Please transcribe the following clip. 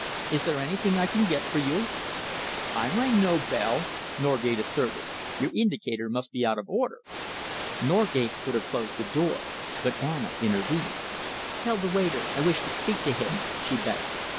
"Is there anything I can get for you?" "I rang no bell," Norgate asserted. "Your indicator must be out of order." Norgate would have closed the door, but Anna intervened. "Tell the waiter I wish to speak to him," she begged.